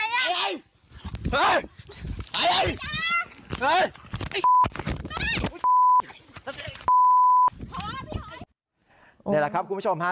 ๕ช่วงจังหวะ